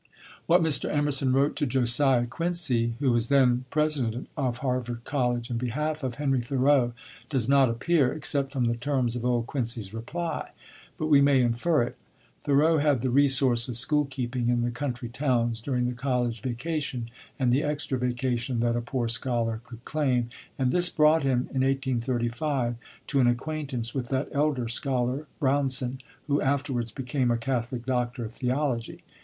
What Mr. Emerson wrote to Josiah Quincy, who was then president of Harvard College, in behalf of Henry Thoreau does not appear, except from the terms of old Quincy's reply; but we may infer it. Thoreau had the resource of school keeping in the country towns, during the college vacation and the extra vacation that a poor scholar could claim; and this brought him, in 1835, to an acquaintance with that elder scholar, Brownson, who afterwards became a Catholic doctor of theology.